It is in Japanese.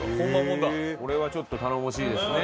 これはちょっと頼もしいですね。